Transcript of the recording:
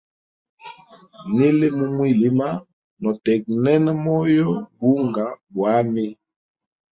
Nili mumwilima, notegnena moyo bunga bwami.